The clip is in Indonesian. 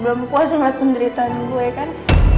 belum puasa ngeliat penderitaan gue kan